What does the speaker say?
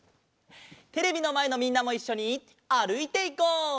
テレビのまえのみんなもいっしょにあるいていこう！